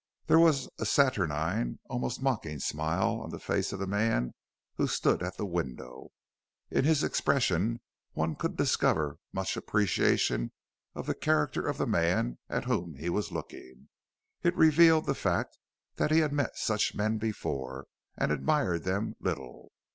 There was a saturnine, almost mocking, smile on the face of the man who stood at the window. In his expression one could discover much appreciation of the character of the man at whom he was looking it revealed the fact that he had met such men before and admired them little.